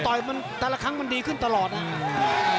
มันต่อยมันแต่ละครั้งมันดีขึ้นตลอดน่ะ